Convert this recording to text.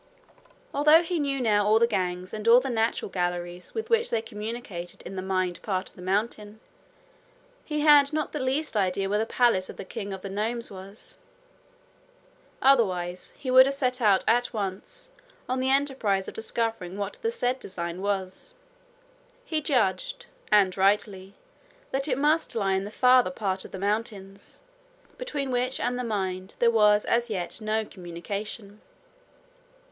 Although he knew all the gangs and all the natural galleries with which they communicated in the mined part of the mountain, he had not the least idea where the palace of the king of the gnomes was; otherwise he would have set out at once on the enterprise of discovering what the said design was. He judged, and rightly, that it must lie in a farther part of the mountain, between which and the mine there was as yet no communication.